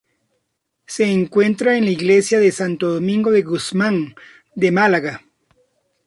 Se encuentra en la Iglesia de Santo Domingo de Guzmán de Málaga.